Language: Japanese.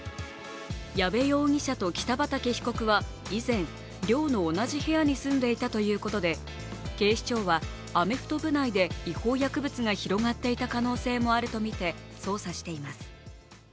矢部容疑者を北畠被告は以前、寮の同じ部屋に住んでいたということで警視庁はアメフト部内で違法薬物が広がっていた可能性もあるとみて捜査しています。